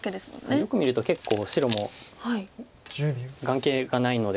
よく見ると結構白も眼形がないので。